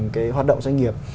cái hoạt động doanh nghiệp